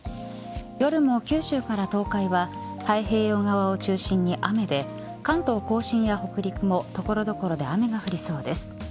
夜も九州から東海は太平洋側を中心に雨で関東甲信や北陸も所々で雨が降りそうです。